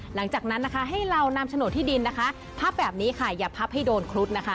หลังจากนั้นนะคะให้เรานำโฉนดที่ดินนะคะพับแบบนี้ค่ะอย่าพับให้โดนครุฑนะคะ